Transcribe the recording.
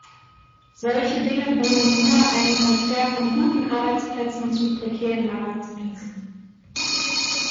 Solche Dinge bringen nur einen Transfer von guten Arbeitsplätzen zu prekären Arbeitsplätzen.